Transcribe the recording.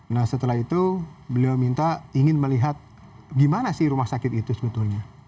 nah setelah itu beliau minta ingin melihat gimana sih rumah sakit itu sebetulnya